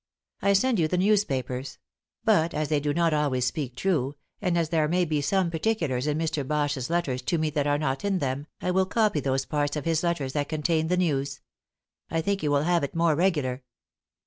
I send you the newspapers; but as they do not always speak true, and as there may be some particulars in Mr. Bache's letters to me that are not in them, I will copy those parts of his letters that contain the news. I think you will have it more regular.